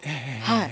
はい。